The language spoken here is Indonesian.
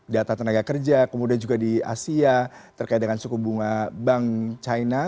data tenaga kerja kemudian juga di asia terkait dengan suku bunga bank china